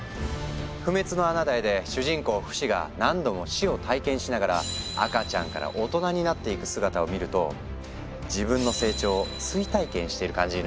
「不滅のあなたへ」で主人公フシが何度も「死」を体験しながら赤ちゃんから大人になっていく姿を見ると自分の成長を追体験している感じになっちゃうの。